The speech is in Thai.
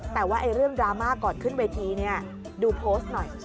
แต่ว่าเรื่องดราม่าก่อนขึ้นเวทีเนี่ยดูโพสต์หน่อย